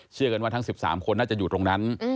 กันว่าทั้ง๑๓คนน่าจะอยู่ตรงนั้น